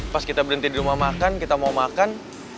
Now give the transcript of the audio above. pas kita berhenti di rumah makan kita mau makan